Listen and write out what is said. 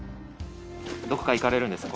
どこか行かれるんですか？